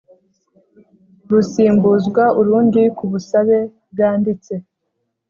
rusimbuzwa urundi ku busabe bwanditse